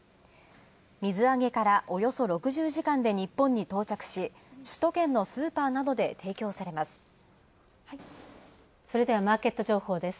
水揚げからおよそ６０時間で日本に到着し首都圏のスーパーなどで提供されます。